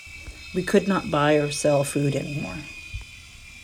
We could not buy or sell food anymore.